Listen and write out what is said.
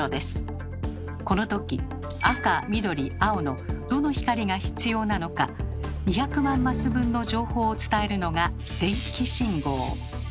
この時赤緑青のどの光が必要なのか２００万マス分の情報を伝えるのが「電気信号」。